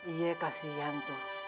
iya kasihan tuh